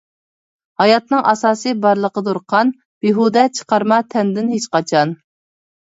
ھاياتنىڭ ئاساسى بارلىقىدۇر قان، بىھۇدە چىقارما تەندىن ھېچقاچان.